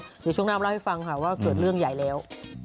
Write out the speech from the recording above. เดี๋ยวช่วงหน้ามาเล่าให้ฟังค่ะว่าเกิดเรื่องใหญ่แล้ว